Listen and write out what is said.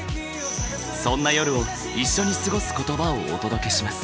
そんな夜を一緒に過ごす言葉をお届けします。